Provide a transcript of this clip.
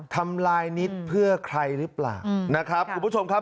ทำลายนิดเพื่อใครหรือเปล่านะครับคุณผู้ชมครับ